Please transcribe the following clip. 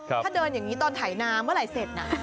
ถ้าเดินอย่างนี้ตอนไถนาเมื่อไหร่เสร็จนะ